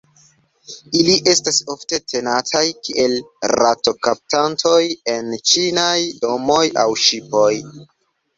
Ili estas ofte tenataj kiel rato-kaptantoj en ĉinaj domoj aŭ ŝipoj.